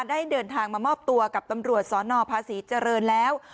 ได้เดินทางมามอบตัวกับตำรวจสนภาษีเจริญแล้ว